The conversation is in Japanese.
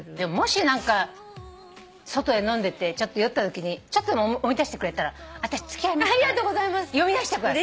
外で飲んでてちょっと酔ったときにちょっとでも思い出してくれたら私付き合いますから呼びだしてください。